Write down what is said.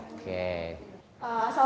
diskusi kami yaitu